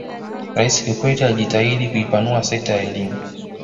raisi kikwete alijitahidi kuipanua sekta ya elimu